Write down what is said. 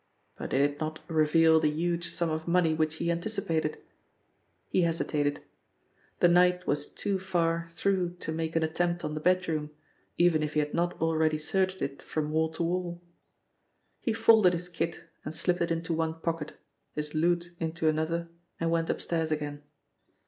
But it did not reveal the huge sum of money which he anticipated. He hesitated. The night was too far through to make an attempt on the bedroom, even if he had not already searched it from wall to wall. He folded his kit and slipped it into one pocket, his loot into another, and went upstairs again.